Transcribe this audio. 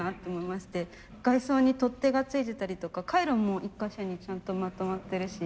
外装に取っ手が付いてたりとか回路も１か所にちゃんとまとまってるし。